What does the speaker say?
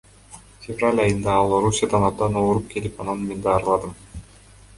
Февраль айында ал Орусиядан абдан ооруп келип, аны мен даарыладым.